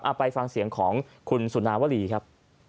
ไปฟังเสียงของคุณสุนาวรีครับ